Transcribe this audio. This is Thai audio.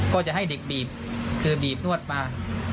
ก็จะให้เด็กบีบคือบีบนวดมา